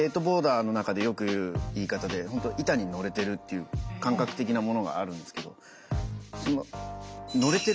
ボーダーの中でよく言う言い方で本当板に乗れてるっていう感覚的なものがあるんですけど